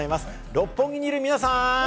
六本木にいる皆さん！